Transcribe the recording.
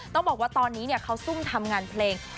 ต้องบอกว่าตอนนี้เขาซุ่มทำงานเพลง